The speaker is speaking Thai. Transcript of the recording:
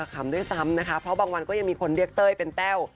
กลางวันก็ยังมีคนเรียกเต้ยเป็นแต้ว